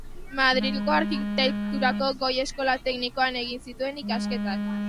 Madrilgo Arkitekturako Goi Eskola Teknikoan egin zituen ikasketak.